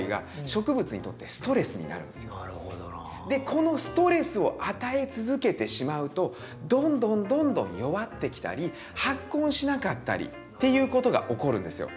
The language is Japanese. このストレスを与え続けてしまうとどんどんどんどん弱ってきたり発根しなかったりっていうことが起こるんですよ。